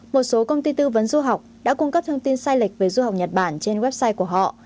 một số công ty tư vấn du học đã cung cấp thông tin sai lệch về du học nhật bản trên website của họ